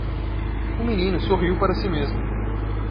O menino sorriu para si mesmo.